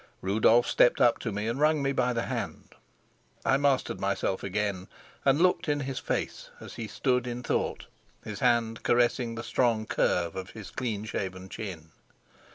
Rudolf stepped up to me and wrung me by the hand. I mastered myself again and looked in his face as he stood in thought, his hand caressing the strong curve of his clean shaven chin.